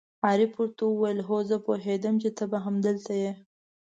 عارف ور ته وویل: هو، زه پوهېدم چې ته به همدلته یې.